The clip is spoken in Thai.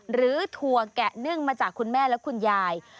ถั่วแกะเนื่องมาจากคุณแม่และคุณยาย